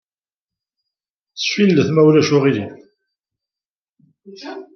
Sfeldet, ma ulac aɣilif.